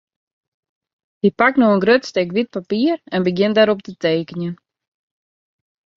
Hy pakt no in grut stik wyt papier en begjint dêrop te tekenjen.